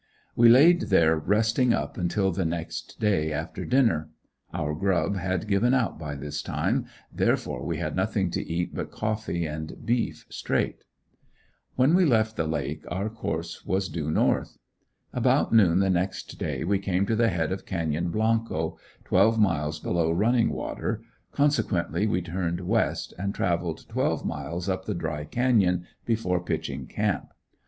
We laid there resting up until the next day after dinner. Our grub had given out by this time, therefore we had nothing to eat but coffee and beef "straight." When we left the lake our course was due north. About noon the next day we came to the head of Canyon Blanco, twelve miles below Running Water, consequently we turned west, and traveled twelve miles up the dry canyon before pitching camp.